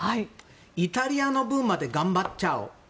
イタリアの分まで頑張っチャオ。